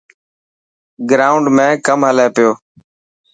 گرائونڊ ۾ ڪم هلي پيو.